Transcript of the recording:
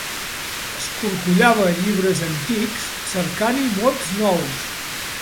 Escorcollava llibres antics cercant-hi mots nous.